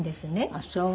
あっそう。